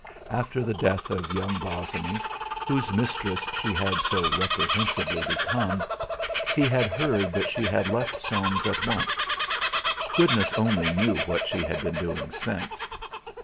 After the death of young Bosinney, whose mistress she had so reprehensibly become, he had heard that she had left Soames at once. Goodness only knew what she had been doing since.